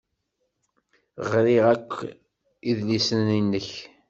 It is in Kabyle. Ɣriɣ akk idlisen-nnek.